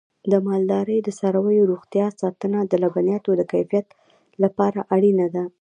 د مالدارۍ د څارویو روغتیا ساتنه د لبنیاتو د کیفیت لپاره اړینه ده.